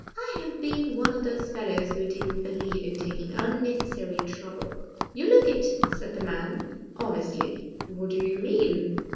I have been one of those fellows who didn't believe in taking unnecessary trouble." "You look it," said the man honestly. "What do you mean?"